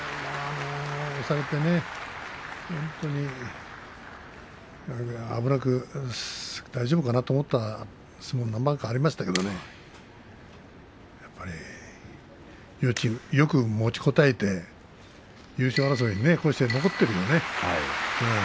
押されて本当に危なく大丈夫かなと思った相撲が何番かありましたけれどもやっぱりよく持ちこたえて優勝争いにこうして残っているのでね。